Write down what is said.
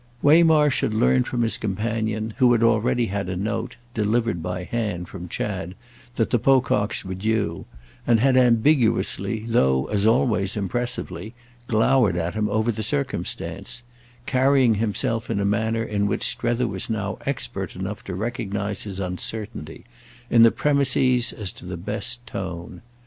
Waymarsh had learned from his companion, who had already had a note, delivered by hand, from Chad, that the Pococks were due, and had ambiguously, though, as always, impressively, glowered at him over the circumstance; carrying himself in a manner in which Strether was now expert enough to recognise his uncertainty, in the premises, as to the best tone.